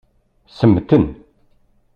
Semmten.